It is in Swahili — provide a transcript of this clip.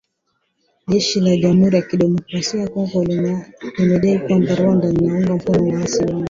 Jeshi la jamuhuri ya kidemokrasia ya kongo limedai kwamba Rwanda inawaunga mkono waasi hao